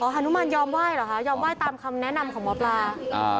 ฮานุมานยอมไหว้เหรอคะยอมไหว้ตามคำแนะนำของหมอปลา